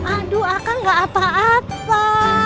aduh aku nggak apa apa